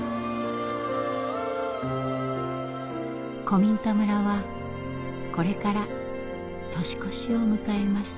古民家村はこれから年越しを迎えます。